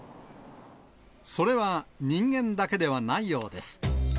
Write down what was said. それは人間だけではないようです。